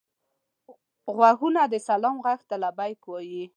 غوږونه د سلام غږ ته لبیک وايي